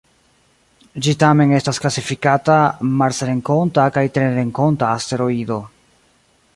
Ĝi tamen estas klasifikata marsrenkonta kaj terrenkonta asteroido.